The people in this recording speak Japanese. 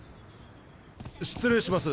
失礼します。